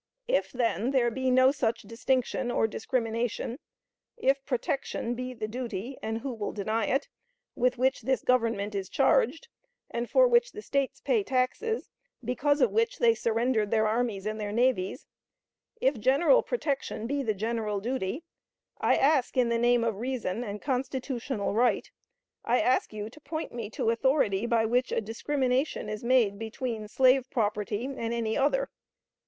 If, then, there be no such distinction or discrimination; if protection be the duty (and who will deny it?) with which this Government is charged, and for which the States pay taxes, because of which they surrendered their armies and their navies; if general protection be the general duty, I ask, in the name of reason and constitutional right I ask you to point me to authority by which a discrimination is made between slave property and any other.